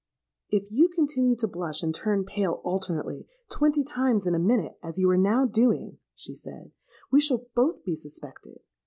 'If you continue to blush and turn pale alternately, twenty times in a minute, as you are now doing,' she said, 'we shall both be suspected.